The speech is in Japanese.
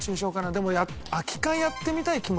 でも空き缶やってみたい気もするな。